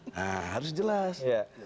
nah harus jelas